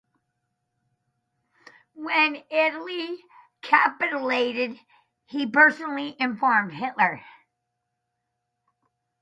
When Italy capitulated, he personally informed Hitler.